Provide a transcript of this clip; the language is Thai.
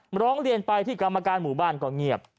ร้องเรียนไปที่กรรมการหมู่บ้านก็เงียบ